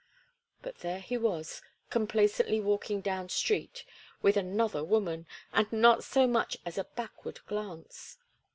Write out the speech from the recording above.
But there he was, complacently walking down street with another woman, and not so much as a backward glance.